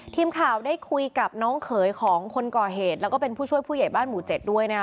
ทีมข่าวได้คุยกับน้องเขยของคนก่อเหตุแล้วก็เป็นผู้ช่วยผู้ใหญ่บ้านหมู่เจ็ดด้วยนะคะ